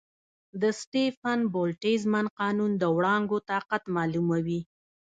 د سټیفن-بولټزمن قانون د وړانګو طاقت معلوموي.